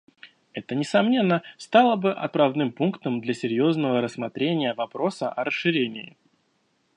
Это, несомненно, стало бы отправным пунктом для серьезного рассмотрения вопроса о расширении.